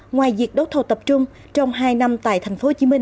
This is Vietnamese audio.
ngoài việc đấu thầu tập trung trong hai năm tại tp hcm